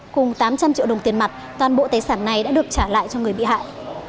cùng tám trăm linh triệu đồng tiền mặt toàn bộ tài sản này đã được trả lại cho người bị hại